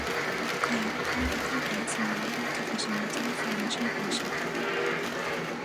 Glenn currently competes in the Lightweight division Ultimate Fighting Championship.